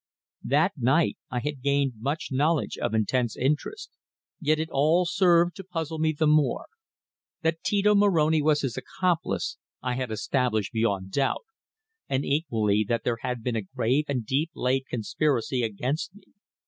That night I had gained much knowledge of intense interest, yet it all served to puzzle me the more. That Tito Moroni was his accomplice I had established beyond doubt, and equally that there had been a grave and deep laid conspiracy against me.